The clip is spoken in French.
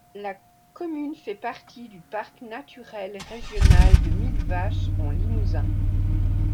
La commune fait partie du parc naturel régional de Millevaches en Limousin.